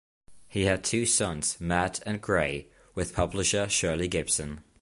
He had two sons, Matt and Grae, with publisher Shirley Gibson.